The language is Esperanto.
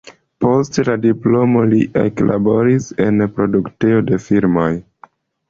Post la diplomo li eklaboris en produktejo de filmoj.